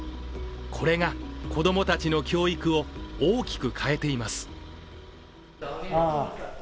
これが子供たちの教育を大きく変えています。